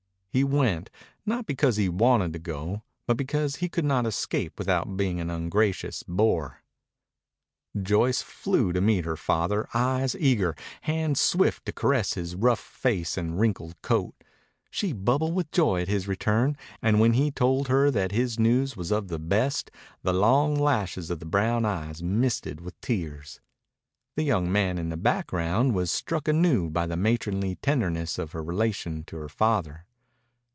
He went, not because he wanted to go, but because he could not escape without being an ungracious boor. Joyce flew to meet her father, eyes eager, hands swift to caress his rough face and wrinkled coat. She bubbled with joy at his return, and when he told her that his news was of the best the long lashes of the brown eyes misted with tears. The young man in the background was struck anew by the matronly tenderness of her relation to her father.